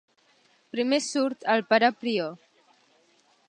Primer surt el pare prior.